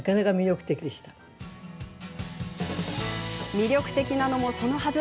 魅力的なのもそのはず。